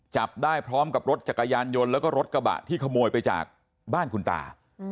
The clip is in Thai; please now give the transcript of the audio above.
จับได้พร้อมกับรถจักรยานยนต์แล้วก็รถกระบะที่ขโมยไปจากบ้านคุณตา